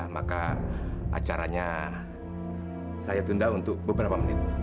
maka acaranya saya tunda untuk beberapa menit